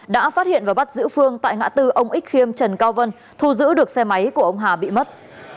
đã phát hiện và bắt giữ phương tại ngã tư ông ích khiêm trần cao vân thu giữ được xe máy của ông hà bị mất